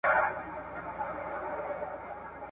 یو ګیدړ چي تر دا نورو ډېر هوښیار وو !.